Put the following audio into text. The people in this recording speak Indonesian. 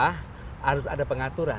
harus ada pengaturan